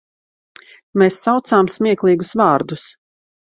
Mēs saucām smieklīgus vārdus.